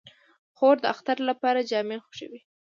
خور د اختر لپاره جامې خوښوي.